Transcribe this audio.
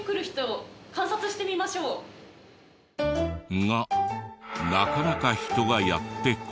実際に。がなかなか人がやって来ない。